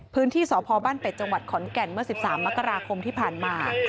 พื้นที่สพบ้านเป็ดจังหวัดขอนแก่นเมื่อ๑๓มกราคมที่ผ่านมา